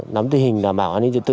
nắm tình hình đảm bảo an ninh trật tự